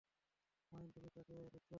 Wine তুমি তাকে দেখেছো?